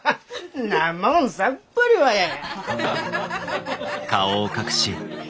んなもんさっぱりわやや。